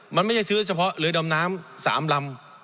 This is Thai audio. มันไม่ใช่ซื้อเฉพาะหรือดำน้ำ๓ลำ